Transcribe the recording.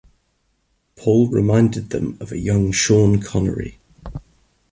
Paul reminded them of a young Sean Connery.